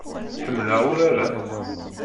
Ḥemmleɣ urar-a.